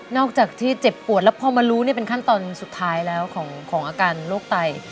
อกจากที่เจ็บปวดแล้วพอมารู้เป็นขั้นตอนสุดท้ายแล้วของอาการโรคไต